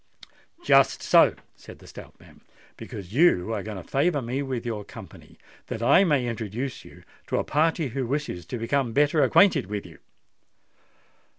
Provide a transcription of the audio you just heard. "Just so," said the stout man: "because you are going to favour me with your company, that I may introduce you to a party who wishes to become better acquainted with you."